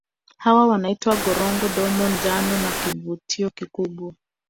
Hawa wanaitwa Korongo Domo njano ni kivutio kikubwa